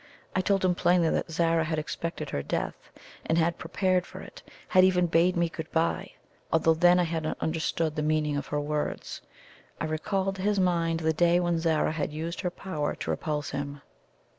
I told him plainly that Zara had expected her death, and had prepared for it had even bade me good bye, although then I had not understood the meaning of her words. I recalled to his mind the day when Zara had used her power to repulse him.